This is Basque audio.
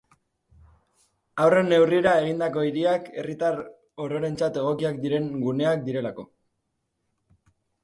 Haurren neurrira egindako hiriak herritar ororentzat egokiak diren guneak direlako.